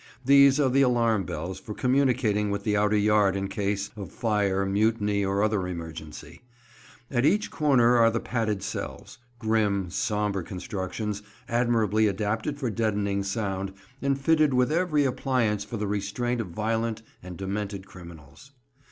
These are the alarm bells for communicating with the outer yard in case of fire, mutiny, or other emergency. At each corner are the padded cells—grim, sombre constructions—admirably adapted for deadening sound, and fitted with every appliance for the restraint of violent and demented criminals.